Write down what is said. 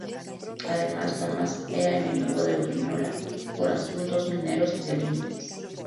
Además Lomas era enemigo de Urdiñola por asuntos mineros y de límites.